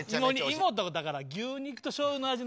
芋とだから牛肉としょうゆの味の。